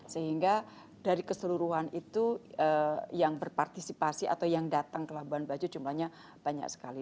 sehingga dari keseluruhan itu yang berpartisipasi atau yang datang ke labuan bajo jumlahnya banyak sekali